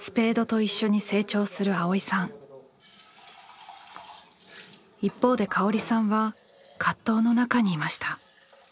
一方で香織さんは葛藤の中にいました。